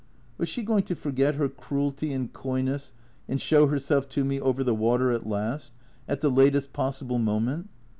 Was she going to forget her cruelty and coyness and show herself to me over the water at last, at the latest possible moment?